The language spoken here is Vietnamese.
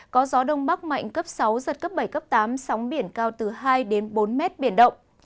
có gió đông bắc mạnh cấp sáu giật cấp bảy cấp tám sóng biển cao từ hai đến bốn mét biển động